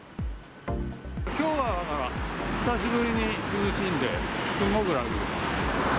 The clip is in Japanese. きょうは久しぶりに涼しいんで、すごく楽。